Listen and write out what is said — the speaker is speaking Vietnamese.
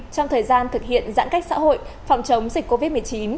trong thời gian thực hiện giãn cách xã hội phòng chống dịch covid một mươi chín